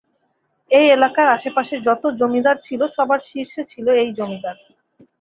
এই এলাকার আশেপাশে যত জমিদার ছিল সবার শীর্ষে ছিল এই জমিদার।